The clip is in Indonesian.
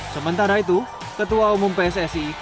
sementara itu ketua umum pssi